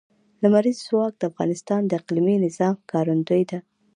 لمریز ځواک د افغانستان د اقلیمي نظام ښکارندوی ده.